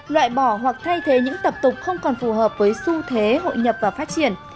loại bỏ hoặc thay thế những tập tục không còn phù hợp với xu thế hội nhập và phát triển